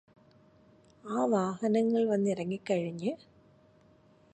ആ വാഹനങ്ങള് വന്നിറങ്ങിക്കഴിഞ്ഞ്